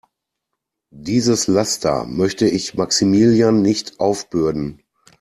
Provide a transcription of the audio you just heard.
Dieses Laster möchte ich Maximilian nicht aufbürden.